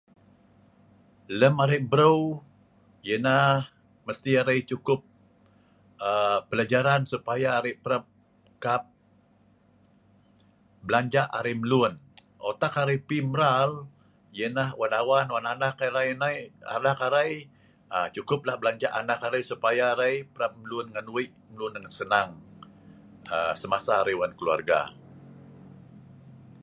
Lem arai breu, yenah mesti arai cukup pelajaran supaya arai parap kap belanja arai mlun. Otak arai pi mral, yenah wan awan, wan anak arai nai, anak arai cukuplah belanja anak arai supaya arai parap mlun ngan weik mlun dengan senang, semasa arai wan keluarga.